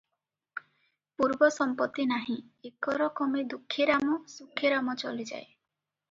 ପୂର୍ବ ସମ୍ପତ୍ତି ନାହିଁ, ଏକରକମେ ଦୁଃଖେରାମ, ସୁଖେ ରାମ ଚଳିଯାଏ ।